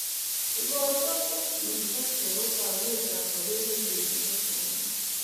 ikorto ko tumto Nebo taunet ab Sabet nelel Nebo chamyet